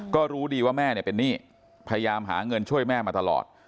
ก็รู้ดีว่าแม่เป็นหนี้พยายามหาเงินช่วยแม่มาตลอด